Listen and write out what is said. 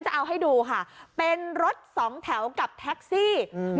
จะเอาให้ดูค่ะเป็นรถสองแถวกับแท็กซี่อืม